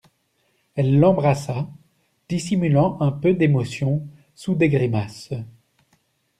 Elle l'embrassa, dissimulant un peu d'émotion sous des grimaces.